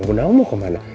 bunda wang mau ke mana